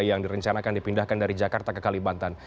yang direncanakan dipindahkan dari jakarta ke kalimantan